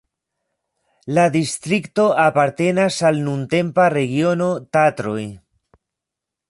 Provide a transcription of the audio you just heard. La distrikto apartenas al nuntempa regiono Tatroj.